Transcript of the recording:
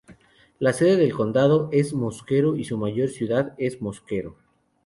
La sede del condado es Mosquero, y su mayor ciudad es Mosquero.